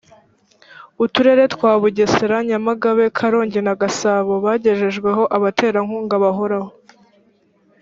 uturere twa bugesera nyamagabe karongi na gasabo bagejejweho abaterankunga bahoraho